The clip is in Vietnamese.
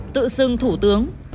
tự xưng thủ tướng